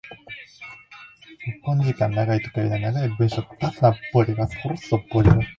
真に矛盾的自己同一的な歴史的社会的世界においては、いつも過去と未来とが自己矛盾的に現在において同時存在的である。